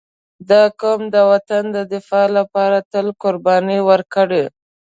• دا قوم د وطن د دفاع لپاره تل قرباني ورکړې.